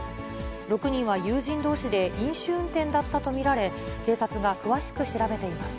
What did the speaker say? ６人は友人どうしで、飲酒運転だったと見られ、警察が詳しく調べています。